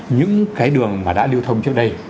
những cái đường mà đã điêu thông trước đây